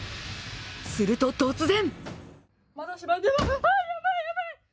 すると突然！